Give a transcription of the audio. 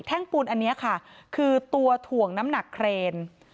่งปูนอันนี้ค่ะคือตัวถ่วงน้ำหนักเครน